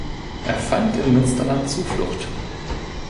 Er fand im Münsterland Zuflucht.